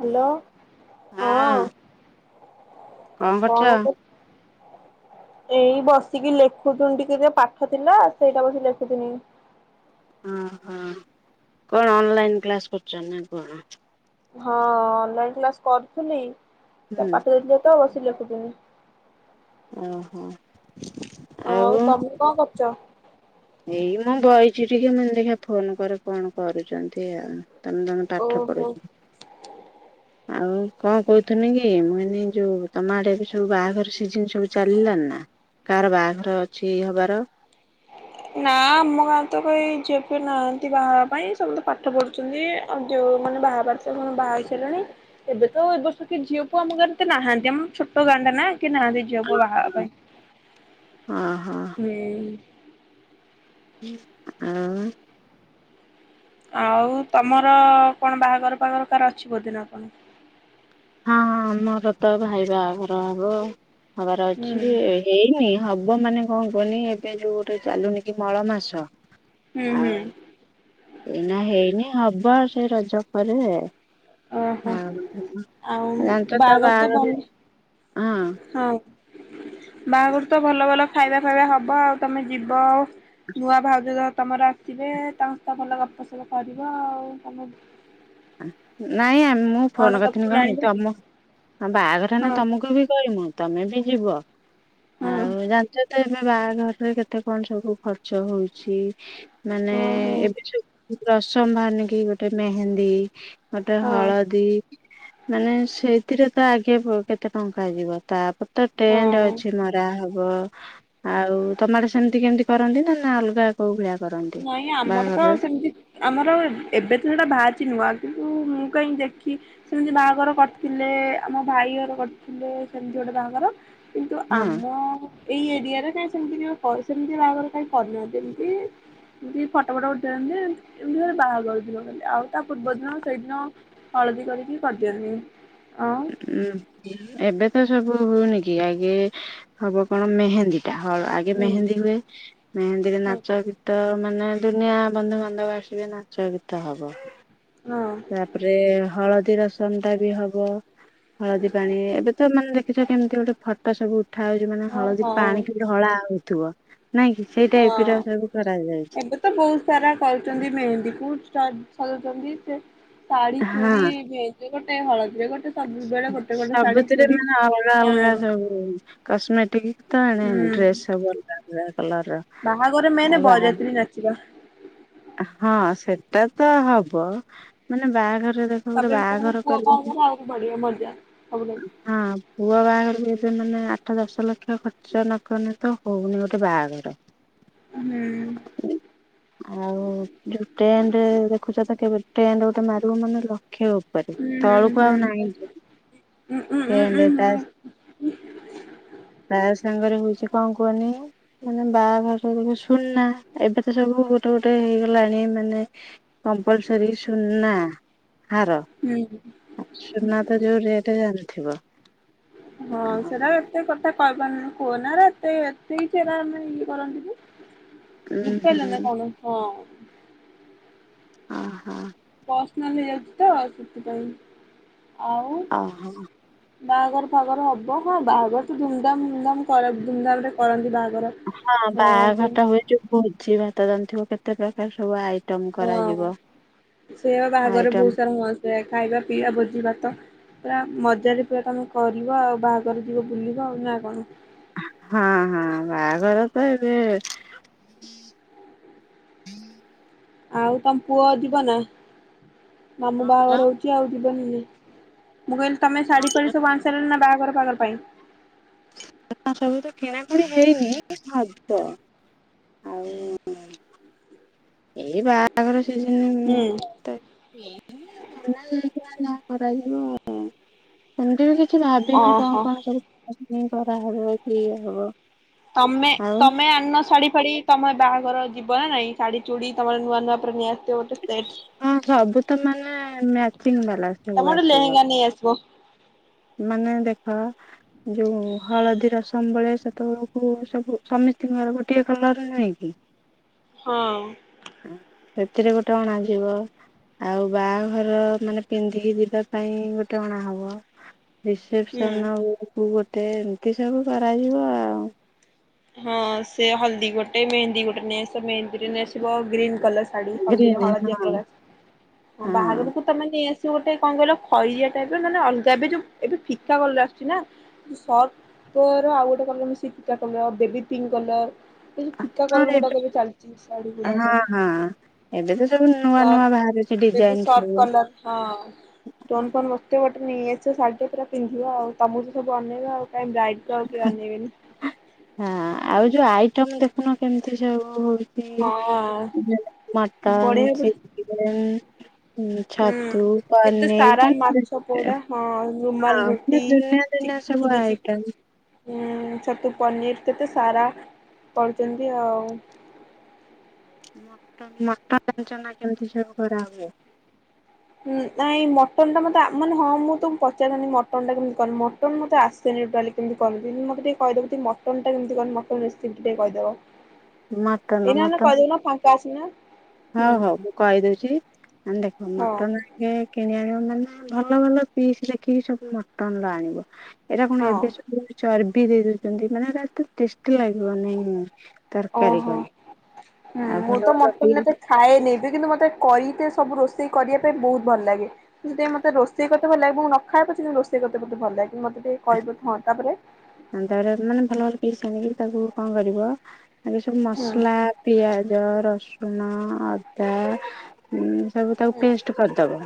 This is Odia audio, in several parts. Hello hello. ହଁ କଣ କ ଏଇ ବସିକି ଲେଖୁଥିନ ଟିକେ ଏବେ ପାଠ ଥିଲା ସେଇଟା ବସିକ ଲେଖୁଥିନି। ଓହୋ କଣ ଅନଲାଇନ କ୍ଲାସ କରୁଚନ୍ତି ନା କଣ? ହଁ ଅନଲାଇନ୍ କ୍ଲାସ କରୁଥିଲି ତା ହୁଁ ପାଠ ଦେଇଥିଲେ ତ ବସିିକି ଲେଖୁଥିନି। ଓହୋ। ଆଉ ତମକୁ କଣ କରୁଚ? ଏଇ ମୁଁ ବଇଚି ଟିକେ ମୁଁ କହିନି ଦେଖା ଫୋନ କରେ କଣ କରୁଚନ୍ତି ଆଉ। ତମେ ତାହାନେ ପାଠ ଓହୋ ପଢୁଚ। ଆଉ କଣ କହୁଥୁନି କି ମାନେ ଯୋଉ ତମ ଆଡେ ଏବେ ସବୁ ବାହାଘର ସିଜିନ ସବୁ ଚାଲିଲାଣି ନା? କାହାର ବାହାଘର ଅଛି ହବାର? ନା ଆମ ଗାଁ ତ କେହି ଝିଅ ଫିଅ ନାହାଁନ୍ତି ବାହା ହବା ପାଇଁ ସମସ୍ତେ ପାଠ ପଢୁ ଛନ୍ତି ଆଉ ଯଉ ମାନେ ବାହା ହବାର ଥିବ ସେମାନେ ବାହା ହେଇସାରିଲେଣି। ଏବେ ତ ଏବେ ତ୍ କିଏ ଝିଅ ଫିଅ ଆମ ଗାଁ ରେ ତ ନାହାନ୍ତି ଆମ ଛୋଟ ଗାଁ ଟା ନା କିଏ ନାହାନ୍ତି ଝିଅ ପୁଅ ବାହାହେବା ପାଇଁ। ଅ ହ। ହୁଁ। ହୁଁ। ଆଉ। ଆଉ ତମର କଣ ବାହାଘର ଫାଘର କାହା ଅଛି ବୋଧେ ଅଛି ନା କଣ? ହଁ ଆମର ତ ଭାଇ ବାହାଘର ହବ ହବାର ହୁଁ ଅଛି ଏ ହେଇନି ହବ ମାନେ କଣ କୁହନି ଏବେ ଯୋଉ ଗୋଟେ ଚାଲୁନି କି ମଳ ମାସ ହୁଁ ହୁଁ। ଆଉ ଏଇନା ହେଇନି ହବ ସେ ରଜ ପରେ। ଓହୋ ହଁ ଆଉ ବା ଜାଣିଚ ତ ବାହାଘର ବାହାଘରେ ବନି ହଁ। ହଁ। ବାହାଘର ତ ଭଲ ଭଲ ଖାଇବା ଖାଇବା ହବ ଆଉ ତମେ ଯିବ ଆଉ। ନୂଆ ଭାଉଜ ତ ତମର ଆସିବେ ତାଙ୍କ ସହ ଭଲ ଗପସପ କରିବ ଆଉ ତମ ଆ ନାଇଁ ଆ ମୁଁ ମୁଁ ଫୋନ ଗଣେଶ କରିଥିନି କଣ ପୁରାଣିବ ତମ ହଁ ବାହାଘର ନା ହଁ ତମକୁ ବି କହିମୁଁ। ତମେ ବି ଯିବ ହଁ ଆଉ ଜାଣିଚ ତ ଏବେ ବାହାଘରରେ କେତେ କଣ ସବୁ ଖ ଚ ହଉଚି ମାନେ ଓହୋ ଏବେ ସବୁ ରସମ ବାହାରିନିକି ଗୋଟେ ମେହେନ୍ଦୀ ଗୋଟେ ହଁ ହଳଦୀ ମାନେ ସେଇଥିରେ ତ ଆଗେ ପ କେତେ ଟଙ୍କା ଯିବ ତାପରେ ତ ଟେଣ୍ଡ ହଁ ଅଛି ମରା ହବ ହବ ଆଉ ତମଆଡେ ସେମିତି କେମିତି କରନ୍ତି ନା ନା ଅଲଗା କୋଉ ଭଳିଆ କରନ୍ତିି? ନାଇଁ ଆମର ତ ସେମିତି ଆମର ଏବେ ତ ସେଇଟା ବାହାରିଚି ନୂଆ ଆଗକୁ ମୁଁ କାହିଁକି ଦେଖି ସେମିତି ବାହାଘର କରିଥିଲେ ଆମ ଭାଇ ଘର କରିଥିଲେ ସେମିତି ଗୋଟେ ବାହାଘର। କିନ୍ତୁ ହଁ ଆମ ଏଇ ଏରିଆରେ କାଇଁ ସେମିତି ସେମିତି ବାହାଘର କାଇଁ କରିନାହାନ୍ତି ଏମିତି ଏମିତି ଫଟୋ ଫଟ ଉଠେଇନ୍ତି ଏମତି ଏମିତି ଘରେ ବାହାଘରଥିବ ଖାଲି ଆଉ ତା ପୂର୍ବଦିନ ସେଇଦିନ ହଳଦୀ କରିକି କରିଦିଅନ୍ତି ଆ ଉଁ ଏବେ ତ ସବୁ ହଉନି କି ଆଗେ ହବ କଣ ମେହେନ୍ଦୀ ଟା ହ ଆଗେ ହୁଁ ମେହେନ୍ଦୀ ହୁଏ। ମେହେନ୍ଦୀରେ ହଁ ନାଚ ଗୀତ ମାନେ ଦୁନିଆ ବନ୍ଧୁବାନ୍ଧବ ଆସିବେ ନାଚ ଗୀତ ହବ। ହଁ। ତାପରେ ହଳଦୀ ରସମ ଟା ବି ହବ ହଳଦୀ ପାଣି ଏବେ ତ ମାନେ ଦେ ଖିଚ କେମିତି ଗୋଟେ ଫଟୋ ସବୁ ଉଠା ହଉଛି ମାନେ ହଳଦୀ ହଉ ପାଣିକି ବି ଢଳା ହଉଥିବ। ନାଇଁ କି ସେଇ ହଉ ହଁ। ଟାଇପର ସବୁ କରାଯାଇଛି। ଏବେ ତ ବହୁତ ସାରା କରୁଛନ୍ତି ମେହେନ୍ଦୀ ସ ସଜୋଉଚନ୍ତି ସେ ଶଢୀ ହଁ ଚୁଡି ଭେଜ ଗୋଟେ ହଳଦୀରେ ଗୋଟେ। ସବୁବେଳେ ଗୋଟେ ଗୋଟେ ଶାଢୀ ସବୁଥିରେ ଚୁଡି ମାନେ ଅଲଗା ହଁ ଅଲଗା ସବୁ। କସ୍ମେଟିକ ତ ଆଣେ ହୁଁ ଡ୍ରେସ୍ ସବୁ ଅଲଗା ଅଲଗା କଲର ର। ବାହାଘର ରେ ମେନ୍ ଆଉ ବାହା ବରଯାତ୍ରୀ ନାଚିବା। ହଁ ସେଟା ତ ହବ ମାନେ ବାହାଘର ଦେଖ ଗୋଟେ ତାପରେ ବି ତମର ବାହାଘର ପୁଅ କରିବନି ବାହାଘର ଆହୁରି ବଢିଆ ମଜା ସବୁ ଲାଗିବ। ହଁ ପୁଅ ବାହାଘର ବି ଏବେ ମାନେ ଆଠ ଦଶ ଲକ୍ଷ ଖର୍ଚ୍ଚ ନକଲେ ତ ହଉନି ଗୋଟେ ବାହାଘର। ହୁଁ। ଆଉ ଯୋଉ ଟେଣ୍ଡ ଦେଖୁଛ କେବେ ଟେଣ୍ଡ ଗୋଟେ ମାରିବ ମାନେ ଲକ୍ଷ ଉପରେ। ହୁଁ ତଳକୁ ହୁଁ ଆଉ ହୁଁ ନାହିଁ ଉଁ ଉଁ ଉଁ ଉଁ ଟେଣ୍ଡ ହଁ ସେ ତ ସାଙ୍ଗରେ ହଉଛି କଣ କୁହନି ମାନେ ବାହାଘର ରେ ଯୋଉ ସୁନା ଏବେ ତ ସବୁ ଟ ଗୋଟେ ହେଇଗଲାଣି ମାନେ କମ୍ପଲସରି ସୁନା ହାର। ହୁଁ। ଆ ସୁନା ତ ଯୋଉ ରେଟ ଜାଣିଥିବ। ହଁ ଆଉ ସେଟା ଏତେ କଥା କହିହପାରନି କୁହନା ଏରା ଏତେ ଏତେ ଏରା ମାନେ ଇଏ କରନ୍ତି କି? ଉଁ ହୁଁ ବୁଝିପାଇଲେନା କଣ ହଁ। ଓହୋ। ପର୍ସନାଲ ହେଇଯାଉଛି ତ ସେଥିପାଇଁ ଆଉ। ଓହୋ। ବାହାଘର ଫହାଘର ହେବ ହଁ ବାହାଘର ତ ଧୁମଧାମ ଧୁମଧାମ କ ଧୁମଧାମରେ କରନ୍ତି ବାହାଘର। ହଁ ବାହାଘରଟା ହୁଏ ଯୋଉ ଭୋଜିଭାତ ଜାଣିଥିବ କେତେ ପ୍ରକାର ସବୁ ଆଇ ହଁ ସେ ବାହାଘର ଆଇଟମ ବହୁତ ସାରା ମସ୍ତ ହୁଏ ଖାଇବା ପିଇବା ଭୋଜିି ଭାତ। ପୁରା ମଜାରେ ପୁରା ତମେ କରିବ ଆଉ ବାହାଘର ଯିବ ବୁଲିବ ଆଉ ନା କଣ। ହଁ ହଁ ବାହାଘର ତ ଏବେ ଆଉ ତମ ପୁଅ ଯିବ ନା ମାମୁ କଣ କହିଲ ବାହାଘର ହଉଛି ଆଉ ଯିବନି କି। ମୁଁ କହିଲି ତମେ ଶାଢୀ ଫାଡି ସବୁ ଆଣି ସାରିଲଣି ନା ବାହାଘର ଫାଘର ପାଇଁ। ସବୁ ତ କିଣାକିଣି ହେଇନି କିନ୍ତୁ ହବ ଆଉ। ଏଇ ବାହାଘର ସିଜନ ହୁଁ ତ [unintelligible] ଯାହା କରାଯହିବ ଆଉ। ସେମିତି ବି କିଛି ଭାବିନୁ କଣ ଓହୋ କଣ ସବୁ କରାହବ କି ଇଏ ହବ। ତମେ ଆଉ ତମେ ଆଣିନ ଶାଢୀ ଫାଡି ତମ ବାହାଘର ଯିବ ନା ନାଇଁ ଶାଢୀ ଚୁଡି ତମର ନୂଆ ନୂଆ ପ୍ରିମିୟର। ଯେ ଗୋଟେ ସେଟ୍ ହଁ ସବୁ ତ ମାନେ ମ୍ୟାଚିଂ ବାଲା ତମେ ସବୁ ଗୋଟେ ଆସିବ ଲେହେଙ୍ଗା ନେଇ ଆସିବ। ମାନେ ଦେଖ ଯୋଉ ହଳଦୀ ରସମ ବେଳେ ସେତଳୁକୁ ସବୁ ସମିସ୍ତଙ୍କର ଗୋଟେ କଲର ନୁହଁକି। ହଁ। ସେଥିରେ ଗୋଟେ ଅଣାଯିବ। ଆଉ ବାହାଘର ମାନେ ପିନ୍ଧିକି ଯିବା ପାଇଁ ଗୋଟେ ଅଣା ହବ। ହୁଁ। ରିସେପସନ ବେଳକୁ ଗୋଟେ ଏମିତି ସବୁ କରାଯିବ ଆଉ। ହଁ ସେ ହଳଦୀ ଗୋଟେ ମେହେନ୍ଦୀ ଗୋଟେ ନେଇଆସ ମେହନ୍ଦୀରେ ନେଇଆସିବ ଗ୍ରୀନ୍ କଲର। ଶାଢୀ, ହଳଦୀରେ ଗ୍ରୀନ୍ ହଳଦିଆ ହଁ। କଲ ଆସି ହଁ ବାହର କୁ ତ ତମେ ନେଇ ଆସିବ ଗୋଟେ କଣ କହିଲ ଖରିଆ ଟାଇପରେ ନନେ ଅଲଗା ଏବେ ଯୋଉ ଏବେ ଫିକା ଗଲା ଆସୁଛି ନା। ସର୍ଟର ଆଉ ଗୋଟେ କଲର ମିଶିକି ଫିକା କଲର୍ ବେବୀ ପିଙ୍କ କଲର। ଏ ଫିକା କଲର ଗୁଡାକ ଏବେ ଚାଲିଛି ଶାଢୀ ଗୁଡାକ ହଁ ହଁ। ଏବେ ତ ସବୁ ନୂଆ ସର ନୂଆ ବାହାରୁଛି ବେବି ଡିଜାଇନ ସର୍ପ ସବୁ କଲର୍। ହଁ ଷ୍ଟୋନ ଫୋନ ବସିଥିବ ଗୋଟେ ନେଇଆଶିବ ଶାଢ଼ି ଟେ ପୁରା ପିନ୍ଧିବା ଆଉ। ତମକୁ ତ ସବୁ ଅନେଇବେ ଆଉ କାଇଁ ବ୍ରାଇଟ୍ ଆଉ କିଏ ଅନେଇବେନି? ହଁ ଆଉ ଯୋଉ ଆଇଟମ ଦେଖୁନ କେମିତି ସବୁ ହଁ ହଉଛି। ମଟନ, ବଢିଆ ପ ଚିକେନ। ହଁ ହୁଁ ଛତୁ କେତେ ସାରା ପାନୀର ମାଛ ପୋଡା [unintelligible] ହଁ ରୁମାଲ ରୁଟି ଦୁନିର ଏଇନା ସବୁ ଆଇଟମ୍। ଉଁ ଛତୁ ପନିର କେତେ ସାରା କରୀଛନ୍ତି ଆଉ। ମଟନ୍ ମଟନ ଜାଣିଚନା କେମିତି ସବୁ କରା ହୁଏ? ଉଁ ନାଇଁ ମଟନ୍ ଟା ମତେ ମାନେ ହଁ ମୁଁ ତ ପଚାରିଥାନ୍ତି ମଟନ୍ ଟା କେମିତି କହନି ମଟନ ମୋତେ ଆସ ସେନ ଟୋଲି କେମିତି କରିନି ମତେ ଟିକେ କହିଦେବୁ ତି ମଟନ୍ ଟା କେମତି କନ ମଟନ୍ ରେସିପି ଟିକେ କହିଦେବ? ମଟନ ମଟନ କହିଦଉନ ଫାଙ୍କା ଅଛି ନା ମା ହଉ ହଉ। କହିଦଉଛି ଆ ଦେଖ ହଁ ହଁ ମଟନ୍ କିଣି ଆଣିବ ମାନେ ଭଲ ଭଲ ପିସ୍ ଦେଖିକି ସବୁ ମଟନ ଲ ଆଣିବ। ଏଇଟା କଣ ହଁ ଏବେ ସବୁ ଚର୍ବି ଦେଇ ଦଉଛନ୍ତି ମାନେ ଏଟ ଏତେ ଟେଷ୍ଟି ଲାଗିବ ନାଇଁ। ତରକାରୀ ଓହୋ କଣ? ହୁଁ ଆଉ ମୁଁ ତ ଭଲ ଭଲ ମଟନ ପିଲ ଏତେ ଖାଏନି ଏବେ କିନ୍ତୁ ମୋତେ କଇତେ ସବୁ ରୋଷେଇ କରିବା ପାଇଁ ବହୁତ ଭଲ ଲାଗେ। ମୁ ସେଥିପାଇଁ ମତେ ରୋଷେଇ କତ ଭଲ ଲାଗେ ମୁଁ ନ ଖାଏ ପଛେ ମୁ ରୋଷେଇ କରତେ ବହୁତ ଭଲ ଲାଗେ ମତେ ଟିକେ କହିବ। ହଁ ତାପରେ ହଁ ତାପରେ ମାନେ ଭଲ ଭଲ ପିସ ଆଣିକି ତାକୁ କଣ କରିବ ଆଗ ସବୁ ହୁଁ ମସଲା ପିଆଜ, ରସୁଣ, ଅଦା ଉଁ ସବୁ ତାକୁ ହୁଁ ପେଷ୍ଟ କରିଦେବ,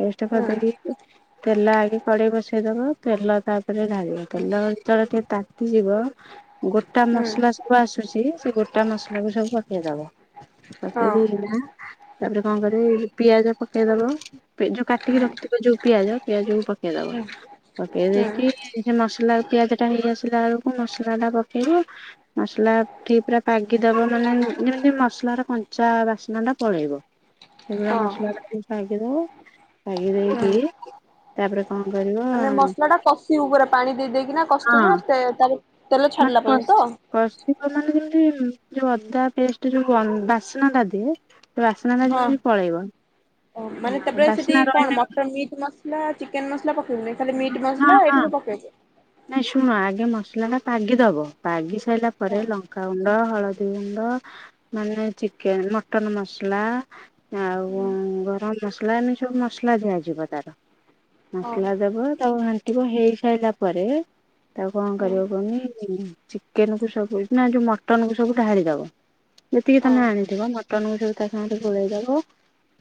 ପେଷ୍ଟ କରିଦେଇକି ତେଲ ଆଗ ତଢେଇ ବସେଇ ଦବ ତେଲ ତାପରେ ଢାଳିବ ତେଲ ଯେତେଳେ ଟିକେ ତାତିଯିବ ଗୋଟା ହୁଁ ମସଲା ସବୁ ଆସୁଛି ସେ ଗୋଟା ମସଲା କୁ ସବୁ ପକେଇ ଦବ। ପକେଇ ହଁ ଦେଇ ନା ତାପରେ କଣ କରିବ ପିଆଜ ପକେଇଦବ। ଯୋଉ କାଟିକି ରଖିଥିବ ଯୋଉ ପିଆଜ ପିଆଜକୁ ପକେଇଦବ ହୁଁ ପକେଇ ହୁଁ ଦେଇକି ସେ ମସଲା ପିଆଜ ଟା ହେଇ ଆସିଲା ବେଳକୁ ମସଲା ଟା ପକେଇବ। ମସଲା ଫ୍ରି ପୁରା ପାଗିଦବ ମାନେ ଯେମିତି ମସଲାର କଞ୍ଚା ବାସ୍ନା ଟା ପଳେଇବ। ସେଇଭଳିଆ ହଁ ମସଲା ଟାକୁ ପଗିଦେବ ହୁଁ ପଗିଦେଇକି ତାପରେ କଣ କରିବ? ମାନେ ହଁ। ମସଲା ଟା କଷିବୁ ପୁରା ପାଣି ଦେଇ ଦେଇକିନା କସୁଥିବୁ ନା ତେ ତାପରେ ମା ଖଷ୍ଟ। କସିବ ମାନେ ଯେମିତି ଉଁ ଯେଉଁ ଅଦା ପେଷ୍ଟ ଯେଉଁ ବାସ୍ନାଟାଦିଏ ବାସ୍ନା ଟା ହଁ। ଯେମିତି ପଳେଇବ। ଓ ମାନେ ଆ ତାପରେ ସେଠି ବାସ୍ନା କଣ ରହିଲେ ଉଁ ମଟନ ମିଟ୍ ମସଲା, ଚିକେନ ମସଲା ପକେଇବିନି ଖାଲି ମିଟ୍ ହଁ ମସଲା ହଁ। ଏଇଖୁଣି ପକେଇଦିଅ। ନାଇଁ ଶୁଣ ଆଗେ ମସଲା ଟା ପାଗିଦବ ପାଗି ସାରିଲା ପରେ ହଁ ଲ ଲଙ୍କା ଗୁଣ୍ଡ, ହଳଦୀ ଗୁଣ୍ଡ, ମାନେ ଚିକେନ ମଟନ ମସଲା। ଆଉ ଗରମ ମସଲା ଏମିତି ସବୁ ମସଲା ଦିଆଯିବ ତାର। ହଁ ମସଲା ଦବ ତାକୁ ଘାଣ୍ଟିବ ହେଇ ସାରିଲା ପରେ। ତାକୁ କଣ ହଁ କରିବ କୁହନି ଚିକେନ କୁ ସବୁ ନା ଯୋଉ ମଟନ କୁ ସବୁ ଢାଳି ଦବ। ଯେତିକି ତମେ ହଁ। ଆଣିଥିବ ମଟନକୁୁ ସବୁ ତା ସାଙ୍ଗରେ ଗୋଳେଇଦବ।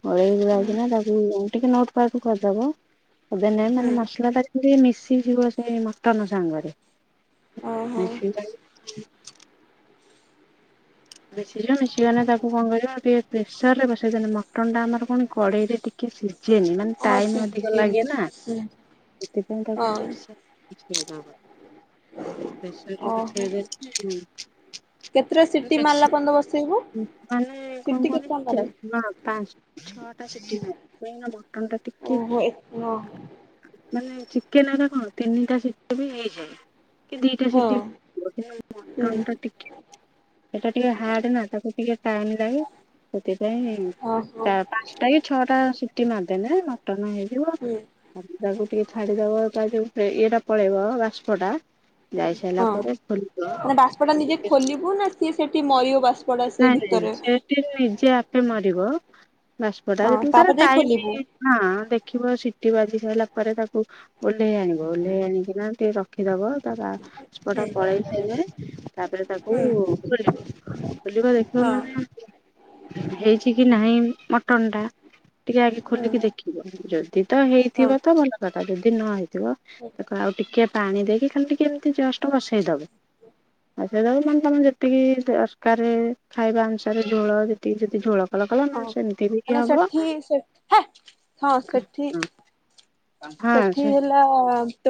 ଗୋଳେଇ ଗୁଳାକି ହୁଁ। ନା ତାକୁ ଟିକେ ନୋଉଟ ପାଉଟୁ କରିଦବ। କରିଦେନେ ମାନେ ହୁଁ। ମସଲାଟା ମିଶିଯିବ ସେଇ ମଟନ ସାଙ୍ଗରେ, ଓହୋ ମିଶ ଯାଇ ମିଶିଯିବ ମିଶିଗନେ ତାକୁ କଣ କରିବ ଟିକେ ପ୍ରେସର ରେ ବସେଇଦନେ ମଟନ୍ ଟା ଆମର କଣ କଡେଇରେ ଟିକେ ସି ଯିଏନି ମାନେ ହଁ ଟାଇମ ଅଧିକ ସିଜିନି ଲାଗେ ନା। ହୁଁ ସେଥିପାଇଁ ତାକୁ ହଁ। ପ୍ରେସର ସିଜି [unintelligible] ଆଉ ପ୍ରେସରରେ ଓହୋ ବସେଇ ଦେନେ କେତେଟା ସିଟି? ମାରିଲା ପର୍ଯ୍ୟନ୍ତ ବସେଇବୁ [inaudible] ମାନେ କଣ ସିଟି କୁହନି। କେତେଟା ମାରିବୁ? ଚାରି ନା ପାଞ୍ଚ ଛଅଟା ସେଟି ନା କାହିଁକି ନା ମଟନ ଟା ଟିକେ ଓହୋ ଏ ହଁ ମାନେ ଚିକେନରେ କଣ ତିନିଟା ସିଟିରେ ବି ହେଇଯାଏ। କି ଦିଟା ହୁଁ ସିଟି ମଟନ ଟା ଟିକେ ସେଟା ଟିକେ ହାର୍ଡ ନା ତାକୁ ଟିକେ ଟାଇମ୍ ଲାଗେ। ସେଥିପାଇଁ ଓହୋ ତା ପାଞ୍ଚଟା କି ଛଅଟା ସିଟି ମାରିଦେନେ ମଟନ ହେଇଯିବ। ହୁଁ। ଆଉ ତାକୁ ଟିକେ ଛାଡିଦବ ତା ଯୋଉ ଇଏଟା ପଳେଇବ ବାଷ୍ପ ଟା ଯାଇସାରିଲା ହଁ ପରେ ଖୋଲିବ ମାନେ ବାଷ୍ପ ଟା ନିଜେ ଖୋଲିବୁ? ନା ସିଏ ସେଠି ମରିବ ବାଷ୍ପ ନାଇଁ ନାଇଁ ସେଠି ନିଜେ ଆପେ ମରିବ ବାଷ୍ପ ଟା। ହଁ ଯେତେବେଳେ ତାର ତାପରେ ଯାଇ ଖୋଲିବୁ ଟାଇମ ନା ଦେଖିବ ସିଟି ବାଜି ସାରିଲା ପରେ ତାକୁ ଓହ୍ଲେଇ ଆଣିବ। ଓହ୍ଲେଇ ଆଣିକିନା ଟିକେ ର ରଖିଦବ ତାର ବାଷ୍ପଟା ହୁଁ ପଳେଇ ସାଇନେ ତାପରେ ତାକୁ ହୁଁ ଖୋଲିବ ଦେଖିବ ହଁ ମାନେ ହେଇଛି କି ନାହିଁ, ମଟନ ଟା ଟିକେ ଆଗେ ହୁଁ। ଖୋଲିକି ଦେ ଥିବ ଯଦି ତ ହଁ ହେଇଥିବ ତ ଭଲ କଥା ଯଦି ନ ହେଇଥିବ, ତାକୁ ଆଉ ଟିକେ ପାଣି ଦେଇକି ଖାଲି ଟିକେ ଏମିତି ଜଷ୍ଟ ବସେଇ ଦବ। ବସେଇ ଦବ ମାନେ ତମେ ଯେ ସେତିକି ଦରକାର ଖାଇବା ଅନୁସାରେ ଝୋଳ ଯେତିକି ଯଦି ଝୋଳ କଲ କଲ ହଁ ନହେଲେ ସେମିତି ବି କାହିଁକି ନା ହବ ସେଠି ସେ ହେ ସେଠି ହଁ ସେଠି ସେ ହେଲା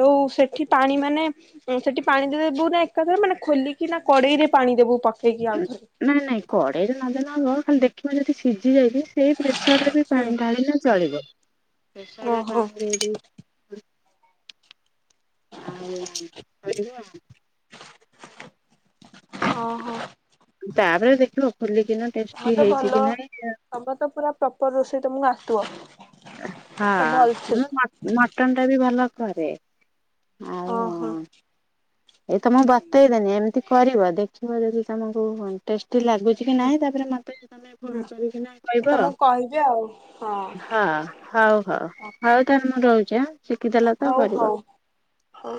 ତଉ ସେଠି ପାଣି ମାନେ ସେ ସେଠି ପାଣି ଦେବୁ। ନା ଏକାଥରେ ମାନେ ଖୋଲିକି ନା କଡେଇ ରେ ପାଣି ଦେବୁ ପକେଇକି ଆଉ ଥରେ। ନାଇଁ ନାଇଁ କଡେଇରେ ନଦେନେ ହବ। ଖାଲି ଦେଖିବ ଯଦି ସିଝି ଯାଇଛି ସେଇ ପ୍ରେସରରେ ବି ହୁଁ ପାଣି ଢାଳିିଲେ ବି ଚଳିବ। ପ୍ରେସରରେ ଓହୋ ପାଣି ଦେଇଦେଇକି ଆଉ କରିବା। ଅ ହ। ତାପରେ ଦେଖିବ ଖୋଲିକିିନା। ତମ ତେ ଭଲ ତମେ ତ ପୁରା ପ୍ରପର ରୋଷେଇ ତମକୁ ଆସୁଥିବ। ହଁ ତ ଭଲସେ ମୁଁ ମଟ ମଟନ ଟା ବି ଭଲ କରେ। ଆଉ ଓହୋ ଏ ତମକୁ ବତେଇଦେନି ଏମିତି କରିବ। ଦେଖିବ ଯଦି ତମକୁ ଟେଷ୍ଟି ଲାଗୁ ଲାଗୁଚି କି ହୁଁ ନାଇଁ ତାପରେ ମତେ ତମେ ଫୋନ ହୁଁ କରିକ ନା କହିବ। ତମକୁ କହିବି ଆଉ ହଁ ହଉ। ହଁ ଆଉ ତାହାନେ ମୁଁ ରହୁଚି ଆ ହଉ ହଉ ହଉ।